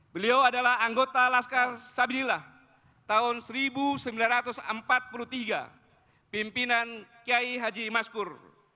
beliau adalah anggota laskar sabilillah tahun seribu sembilan ratus empat puluh tiga pimpinan kiai haji maskur